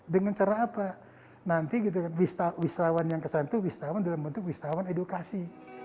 dengan cara apa nanti gitu bisa wisawan yang kesan tuh bisa mendalam untuk wisawan edukasi